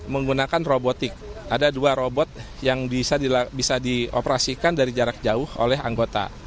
menggunakan robotik ada dua robot yang bisa dioperasikan dari jarak jauh oleh anggota